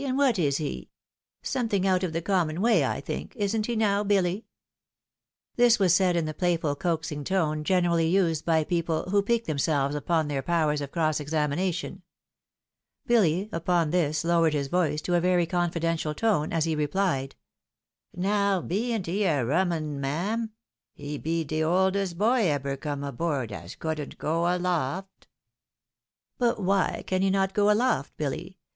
And what is he ? Something out of the common way, I think ; ins't he now, Billy ?" This was said in the playful coaxing tone, generally used by people who pique themselves upon their powers of cross examination. Billy upon this lowered his voice to a very confidential tone, as he replied ;" Now beant he a rum un, mam ? He be de oldest boy ebber come aboard, as couldn't go aloft." " But why can he not go aloft, Billy